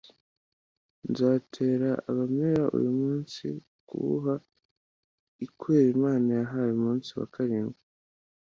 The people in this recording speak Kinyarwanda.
Nzatera abemera uyu munsi kuwuha ikwera Imana yahaye umunsi wa karindwi